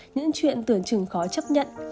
những chuyện tưởng chừng khó chấp nhận